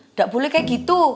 enggak boleh kayak gitu